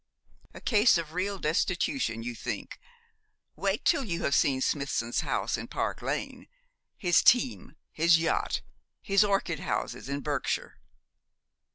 'A case of real destitution, you think. Wait till you have seen Smithson's house in Park Lane his team, his yacht, his orchid houses in Berkshire.'